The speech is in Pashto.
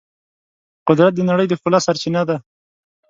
قدرت د نړۍ د ښکلا سرچینه ده.